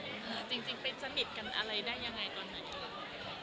จริงไปสนิทกันอะไรได้ยังไงก่อนนั้นครับ